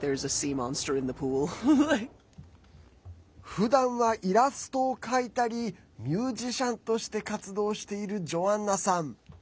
ふだんはイラストを描いたりミュージシャンとして活動しているジョアンナさん。